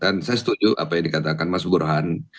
dan saya setuju apa yang dikatakan mas burhan